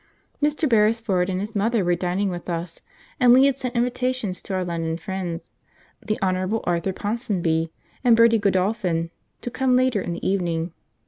Mr. Beresford and his mother were dining with us, and we had sent invitations to our London friends, the Hon. Arthur Ponsonby and Bertie Godolphin, to come later in the evening.